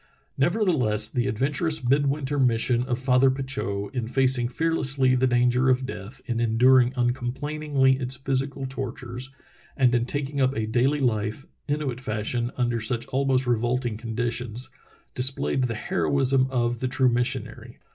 Nevertheless the adventurous midwinter mission of Father Petitot, in facing fearlessly the danger of death. The Missionary's Arctic Trail 309 in enduring uncomplainingly its physical tortures, and in taking up a daily life, Inuit fashion, under such al most revolting conditions, displayed the heroism of the true missionary.